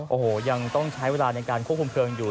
โอ้โหยังต้องใช้เวลาในการควบคุมเพลิงอยู่